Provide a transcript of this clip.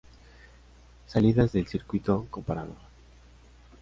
Salidas del circuito comparador.